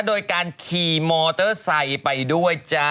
โดยการขี่มอเตอร์ไซค์ไปด้วยจ้า